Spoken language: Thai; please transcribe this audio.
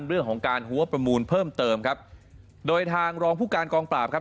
เรื่องของการหัวประมูลเพิ่มเติมครับโดยทางรองผู้การกองปราบครับ